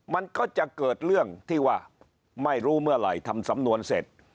มันก็จะเกิดเรื่องที่ว่าไม่รู้เมื่อไหร่ทำสำนวนเสร็จ